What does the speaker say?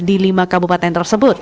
di lima kabupaten tersebut